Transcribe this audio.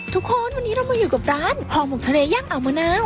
ทุกวันวันนี้เรามาอยู่กับร้านห่อหมกทะเลย่างอ่าวมะนาว